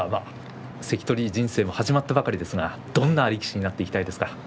関取人生は始まったばかりですが、どんな力士になっていきたい